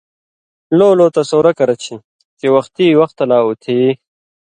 لولو تصُورہ کرہ چھی چےۡ وختی وختہ لا اُتھی